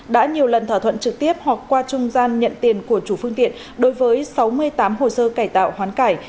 đã nhiều lần thỏa thuận trực tiếp hoặc qua trung gian nhận tiền của chủ phương tiện đối với sáu mươi tám hồ sơ cải tạo hoán cải